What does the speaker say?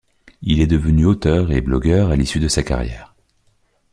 Il est devenu auteur et blogueur à l'issue de sa carrière.